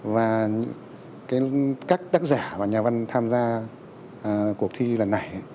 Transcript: và các tác giả và nhà văn tham gia cuộc thi lần này